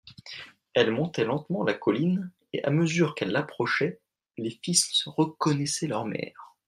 Elle montait lentement la colline et, à mesure qu'elle approchait, les fils reconnaissaient leur mère.